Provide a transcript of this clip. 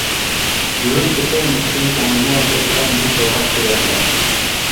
يورۇپ كېتەر مىسكىن كۆڭۈلمۇ، ئۆز رەببىنى تۇرغاچقا يادلاپ.